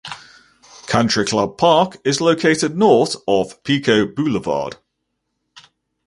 Country Club Park is located north of Pico Boulevard.